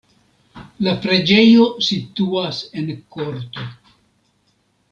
La preĝejo situas en korto.